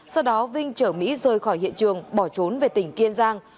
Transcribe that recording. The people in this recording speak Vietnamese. sau đó vinh chở mỹ rời khỏi hiện trường bỏ trốn về tỉnh kiên giang